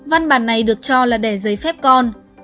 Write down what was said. văn bản này được cho là đẻ giấy phép con